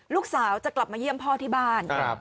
ลูกสาวจะกลับมาเยี่ยมพ่อที่บ้าน